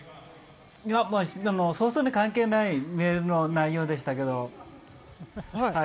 そんな関係ないメールの内容でしたけど。